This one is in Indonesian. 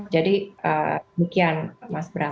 jadi demikian mas bram